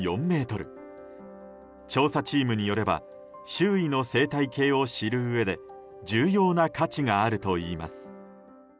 調査チームによれば周囲の生態系を知るうえで重要な価値があるといいます。